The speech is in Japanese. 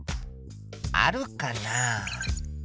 あるかな？